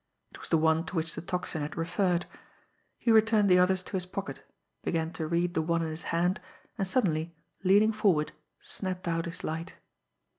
It was the one to which the Tocsin had referred. He returned the others to his pocket, began to read the one in his hand and suddenly, leaning forward, snapped out his light.